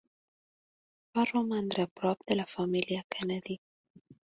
Va romandre a prop de la família Kennedy.